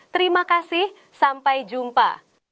terima kasih sampai jumpa